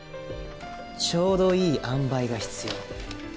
ちょうどいいあんばいが必要。